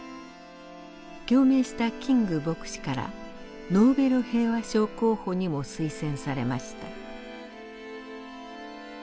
共鳴したキング牧師からノーベル平和賞候補にも推薦されました。